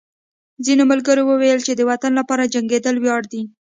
ځینو ملګرو ویل چې د وطن لپاره جنګېدل ویاړ دی